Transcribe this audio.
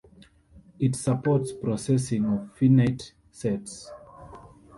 It supports processing of finite sets.